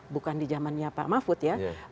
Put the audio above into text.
bukan di zamannya pak mahfud ya